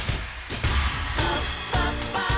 「はっぱっぱ！